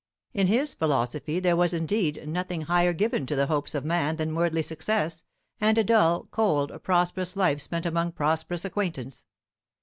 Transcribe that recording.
In his philosophy there was indeed nothing higher given to the hopes of man than worldly success, and a dull, cold, prosperous life spent among prosperous acquaintance.